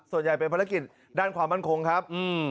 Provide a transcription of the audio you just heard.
ส่วนใหญ่เป็นภารกิจด้านความมั่นคงครับ